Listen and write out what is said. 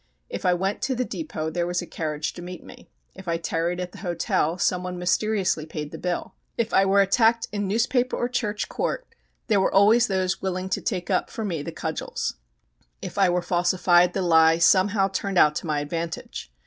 If I went to the depot there was a carriage to meet me. If I tarried at the hotel some one mysteriously paid the bill. If I were attacked in newspaper or church court there were always those willing to take up for me the cudgels. If I were falsified the lie somehow turned out to my advantage.